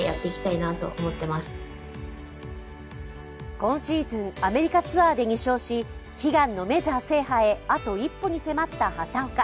今シーズン、アメリカツアーで２勝し悲願のメジャー制覇へあと一歩に迫った畑岡。